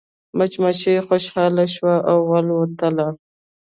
مچۍ خوشحاله شوه او والوتله.